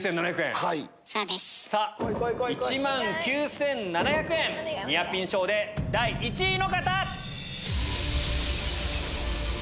えっ⁉さぁ１万９７００円ニアピン賞で第１位の方！